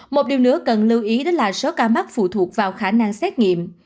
một điều nữa cần lưu ý đó là số ca mắc phụ thuộc vào khả năng xét nghiệm